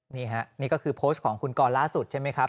นี่ฮะนี่ก็คือโพสต์ของคุณกรล่าสุดใช่ไหมครับ